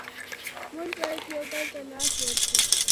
مونږ باید یو بل ته لاس ورکړو.